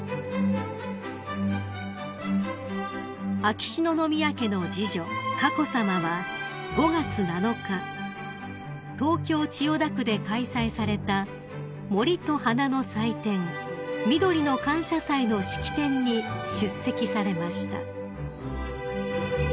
［秋篠宮家の次女佳子さまは５月７日東京千代田区で開催された森と花の祭典みどりの感謝祭の式典に出席されました］